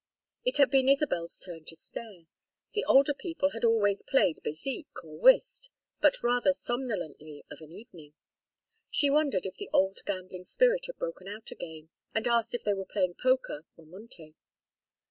It had been Isabel's turn to stare. The older people had always played bézique or whist, but rather somnolently of an evening. She wondered if the old gambling spirit had broken out again, and asked if they were playing poker or monté.